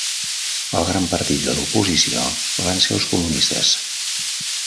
El gran partit de la oposició van ser els comunistes.